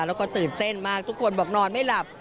แล้วก็ตื่นเต้นมากทุกคนบอกนอนไม่หลับ